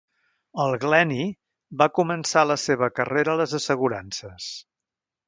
El Glenny va començar la seva carrera a les assegurances.